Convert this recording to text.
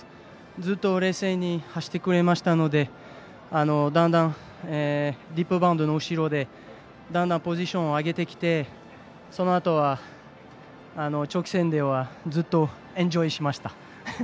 ずっと冷静に走ってくれましたのでだんだんディープボンドの後ろでだんだんポジションを上げてきてそのあとは長期戦ではずっとエンジョイしました。